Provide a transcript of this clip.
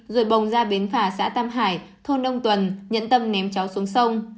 rồi bồng ra bến phà xã tam hải thôn đông tuần nhẫn tâm ném cháu xuống sông